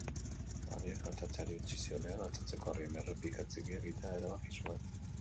Harriak altxatzeari utzi zionean, altxatzeko harrien errepika txikiak egitea erabaki zuen.